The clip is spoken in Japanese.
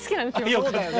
そうだよね。